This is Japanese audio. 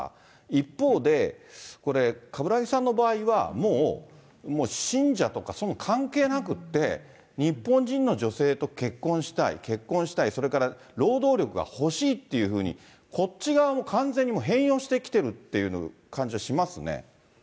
一方でこれ、冠木さんの場合は、もう信者とかそういうの関係なくて、日本人の女性と結婚したい、結婚したい、それから労働力が欲しいというふうに、こっち側も完全に変容してきてるっていう感じはしますね。